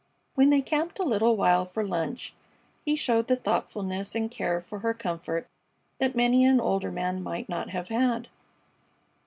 When they camped a little while for lunch he showed the thoughtfulness and care for her comfort that many an older man might not have had.